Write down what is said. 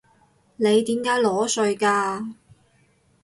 你點解裸睡㗎？